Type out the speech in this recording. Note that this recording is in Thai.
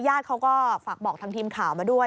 ญาติเขาก็ฝากบอกทางทีมข่าวมาด้วย